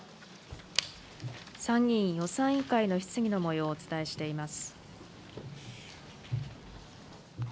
参議院予算委員会の質疑のもようをお伝えしています。